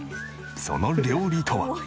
その料理とは？